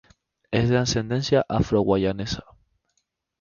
Es de ascendencia afro-guyanesa.